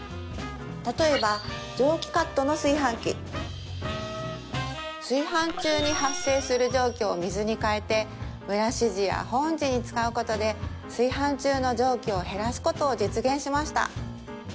たとえば蒸気カットの炊飯器炊飯中に発生する蒸気を水に変えて蒸らし時や保温時に使うことで炊飯中の蒸気を減らすことを実現しました